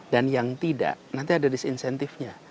dan yang tidak nanti ada disinsentifnya